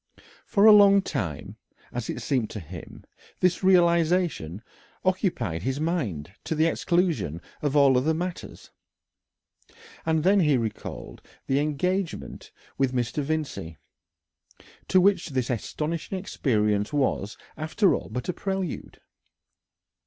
For a long time, as it seemed to him, this realisation occupied his mind to the exclusion of all other matters, and then he recalled the engagement with Mr. Vincey, to which this astonishing experience was, after all, but a prelude.